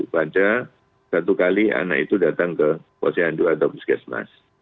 pada satu kali anak itu datang ke posyandu atau puskesmas